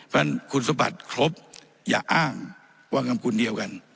เพราะฉะนั้นคุณสมบัติครบอย่าอ้างว่างำคุณเดียวกัน